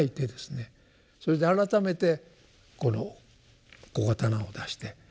それで改めてこの小刀を出して。